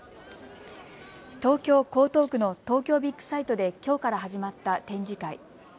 東京江東区の東京ビッグサイトできょうから始まった展示会。